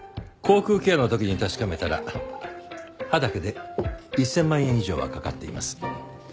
口腔ケアの時に確かめたら歯だけで１０００万円以上はかかっています。